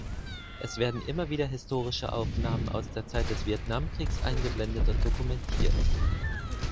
Es werden immer wieder historische Aufnahmen aus der Zeit des Vietnamkriegs eingeblendet und dokumentiert.